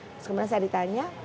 terus kemudian saya ditanya